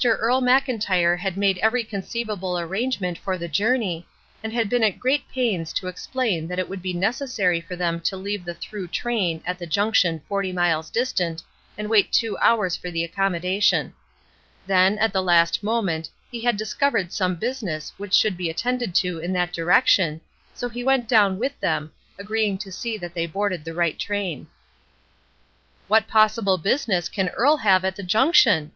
Earle Mcln tyre had made every conceivable arrangement for the journey, and been at great pains to ex plain that it would be necessary for them to leave the through train at the junction forty miles distant and wait two hours for the accom modation. Then, at the last moment, he had discovered some business which should be attended to in that direction, so he went down "THE SAME PERSON" 409 with them, agreeing to see that they boarded the right train. "What possible business can Earle have at the junction?''